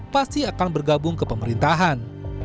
pasti akan bergabung ke pemerintahan